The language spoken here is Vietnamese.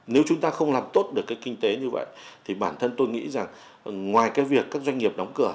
nếu chúng ta không làm tốt được cái kinh tế như vậy thì bản thân tôi nghĩ rằng ngoài cái việc các doanh nghiệp đóng cửa